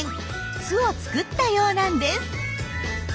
巣を作ったようなんです。